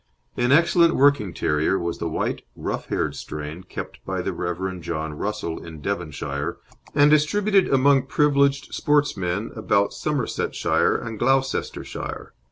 An excellent working terrier was the white, rough haired strain kept by the Rev. John Russell in Devonshire and distributed among privileged sportsmen about Somersetshire and Gloucestershire.